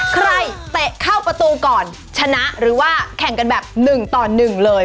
เตะเข้าประตูก่อนชนะหรือว่าแข่งกันแบบ๑ต่อ๑เลย